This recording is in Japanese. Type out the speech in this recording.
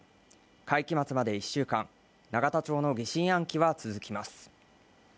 会期末まで１週間、永田町の疑心暗鬼は続きます。